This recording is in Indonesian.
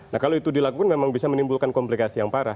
nah kalau itu dilakukan memang bisa menimbulkan komplikasi yang parah